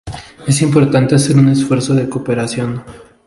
Es importante hacer un esfuerzo de cooperación.